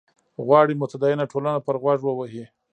غواړي متدینه ټولنه پر غوږ ووهي.